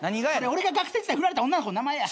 俺が学生時代フラれた女の子の名前や。